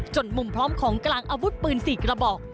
มุมพร้อมของกลางอาวุธปืน๔กระบอก